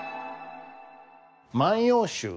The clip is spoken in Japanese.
「万葉集」。